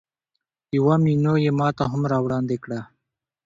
یوه مینو یې ماته هم راوړاندې کړه.